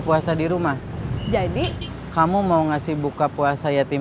saya ingin menjadi orang tua asuh buat anak yatim